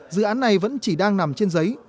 dự án này vẫn chỉ đang nằm trên giấy